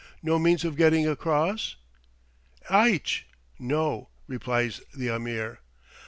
no means of getting across?" "Eitch" (no), replies the Ameer.